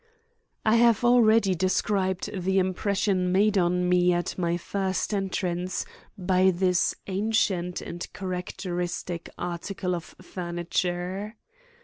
I have already described the impression made on me at my first entrance by this ancient and characteristic article of furniture.